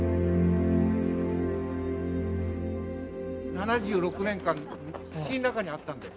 ７６年間土の中にあったんです。